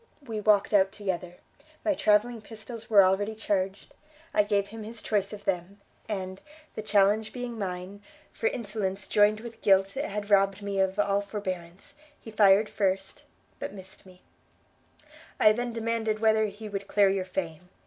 we walked out together; my travelling pistols were already charged; I gave him his choice of them, and, the challenge being mine, for insolence joined with guilt had robbed me of all forbearance, he fired first, but missed me: I then demanded whether he would clear your fame?